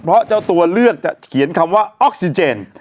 เพราะเจ้าตัวเลือกจะเขียนคำว่าออกซิเจน